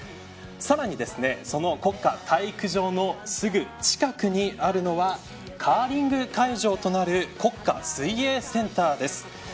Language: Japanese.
さらに、その国家体育場のすぐ近くにあるのはカーリング会場となる国家水泳センターです。